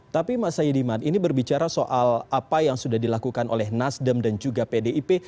tapi mas saidiman ini berbicara soal apa yang sudah dilakukan oleh nasdem dan juga pdip